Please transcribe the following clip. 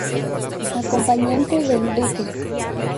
Acompañante del Duque.